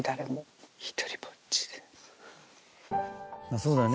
そうだよね。